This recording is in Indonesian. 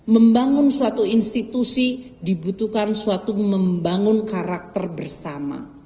membangun suatu institusi dibutuhkan suatu membangun karakter bersama